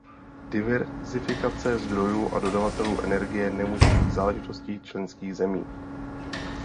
Diverzifikace zdrojů a dodavatelů energie nemůže být záležitostí členských zemí.